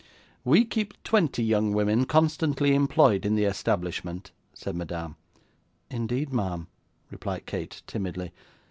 'We keep twenty young women constantly employed in the establishment,' said Madame. 'Indeed, ma'am!' replied Kate, timidly.